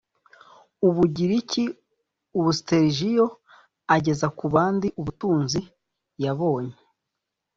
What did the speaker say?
u bugiriki ubu stergios ageza ku bandi ubutunzi yabonye